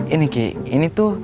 ini ki ini tuh